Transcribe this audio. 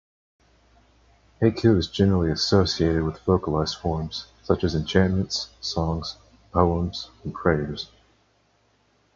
Heku is generally associated with vocalized forms, such as enchantments, songs, poems and prayers.